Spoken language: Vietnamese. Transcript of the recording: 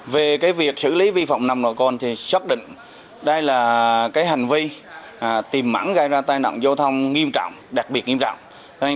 về việc xử lý vi phạm nồng độ cồn thì xác định đây là cái hành vi tìm ẩn gây ra tai nạn giao thông nghiêm trọng đặc biệt nghiêm trọng